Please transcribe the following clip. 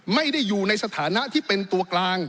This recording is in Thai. ไม่ได้อยู่ในสถานะที่เป็นตัวกลาง